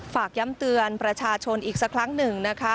ฝากย้ำเตือนประชาชนอีกสักครั้งหนึ่งนะคะ